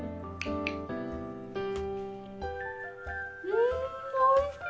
うんおいしい！